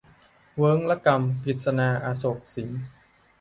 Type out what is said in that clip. เวิ้งระกำ - กฤษณา อโศกสิน